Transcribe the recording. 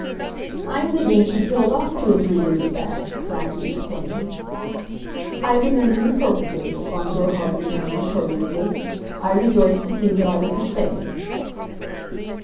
"I'm th' gink you killed off two or three years back," Blackie explained. "I remember you perfectly," Von Gerhard returned, courteously. "I rejoice to see that I was mistaken."